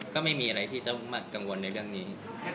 ก็ไม่มีอะไรที่จะมากังวลในเรื่องนี้